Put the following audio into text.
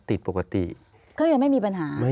ติดปกติเครื่องยนต์ไม่มีปัญหา